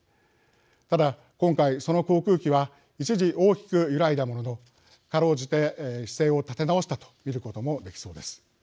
ただ今回その航空機は一時大きく揺らいだもののかろうじて姿勢を立て直したと見ることもできそうです。